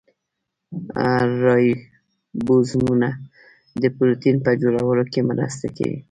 رایبوزومونه د پروټین په جوړولو کې مرسته کوي